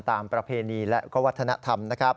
ตามประเพณีและก็วัฒนธรรม